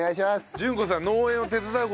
稔子さん